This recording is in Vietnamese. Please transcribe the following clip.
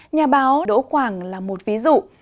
nhà báo đỗ quảng là một ví dụ